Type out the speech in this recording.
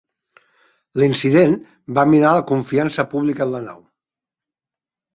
L'incident va minar la confiança pública en la nau.